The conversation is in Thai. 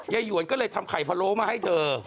หยวนก็เลยทำไข่พะโล้มาให้เธอ